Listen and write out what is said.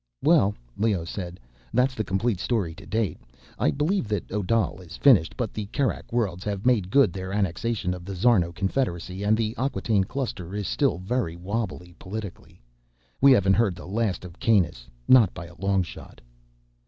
"Well," Leoh said, "that's the complete story, to date. I believe that Odal is finished. But the Kerak Worlds have made good their annexation of the Szarno Confederacy, and the Acquataine Cluster is still very wobbly, politically. We haven't heard the last of Kanus—not by a long shot."